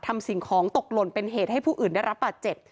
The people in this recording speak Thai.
สิ่งของตกหล่นเป็นเหตุให้ผู้อื่นได้รับบาดเจ็บ